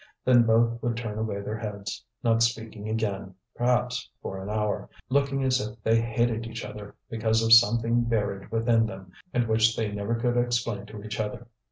Then both would turn away their heads, not speaking again, perhaps, for an hour, looking as if they hated each other because of something buried within them and which they could never explain to each other.